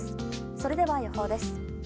それでは、予報です。